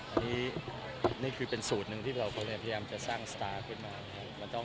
อันนี้คือเป็นสูตรนึงที่เราพยายามจะสร้างสตาร์ขึ้นมา